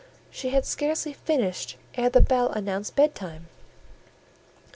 She had scarcely finished ere the bell announced bedtime!